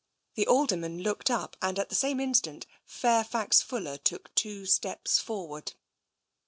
The Alderman looked up, and at the same instant Fairfax Fuller took two steps forward.